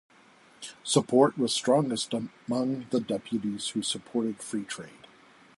Support was strongest among the deputies who supported free trade.